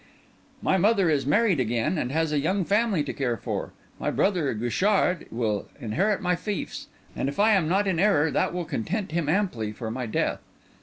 "My mother is married again, and has a young family to care for. My brother Guichard will inherit my fiefs; and if I am not in error, that will content him amply for my death.